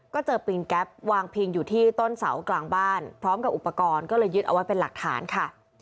ก็เจอปิงแก๊ปวางพิงอยู่ที่ต้นเสากลางบ้านพร้อมกับอุปกรณ์ก็เลยยึดเอาไว้เป็นหลักฐานค่ะ